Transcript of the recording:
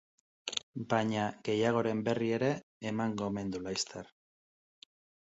Baina gehiagoren berri ere emango omen du laster.